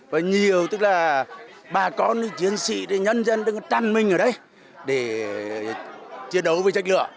và nhiều tức là bà con chiến sĩ nhân dân đang trăn mình ở đấy để chiến đấu với trạch lửa